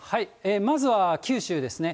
まずは九州ですね。